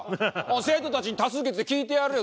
生徒たちに多数決で聞いてやるよ。